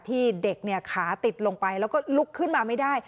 ที่เด็กขาติดลงไปแล้วก็ลุกขึ้นมาไม่ได้